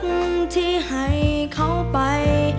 เก็บเอาความที่ให้เขาไป